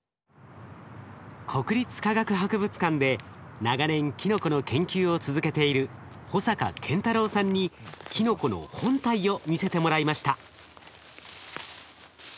国立科学博物館で長年キノコの研究を続けている保坂健太郎さんにキノコの本体を見せてもらいました。